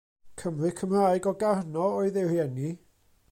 Cymry Cymraeg o Garno oedd ei rieni.